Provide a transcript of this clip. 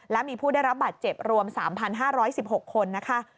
และมีผู้ได้รับบาดเจ็บรวม๓๕๑๖คนนะคะ